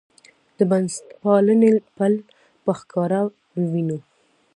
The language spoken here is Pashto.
د بنسټپالنې پل په ښکاره ووینو.